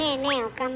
岡村。